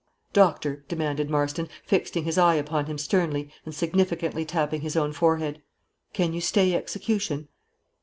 "Doctor," demanded Marston, fixing his eye upon him sternly, and significantly tapping his own forehead, "can you stay execution?"